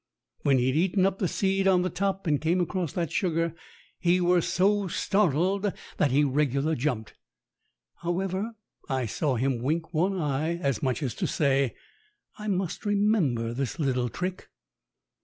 When he'd eaten up the seed on the top, and come across that sugar, he were so startled that he regular jumped. However, I saw him wink one eye, as much as to say, "I must remember this little trick."